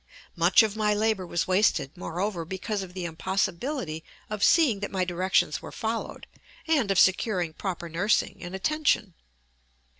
Much of my labor was wasted, moreover, because of the impossibility of seeing that my directions were followed, and of securing proper nursing and attention.